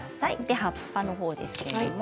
葉っぱのほうですけれども。